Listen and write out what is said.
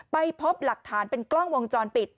ไปพบหลักฐานเป็นกล้องวงจรปิด